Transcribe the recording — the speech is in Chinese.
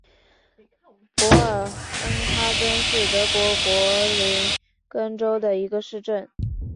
博尔恩哈根是德国图林根州的一个市镇。